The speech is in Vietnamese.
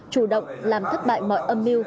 chủ động làm thất bại mọi âm mưu